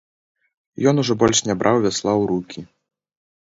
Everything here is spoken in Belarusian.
Ён ужо больш не браў вясла ў рукі.